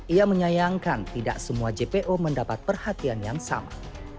ia menyayangkan tidak semua jpo mendapat perhatian yang sama